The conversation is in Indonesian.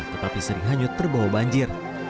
tetapi sering hanyut terbawa banjir